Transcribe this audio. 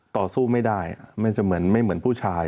ต่อสู้ไม่ได้ไม่เหมือนผู้ชาย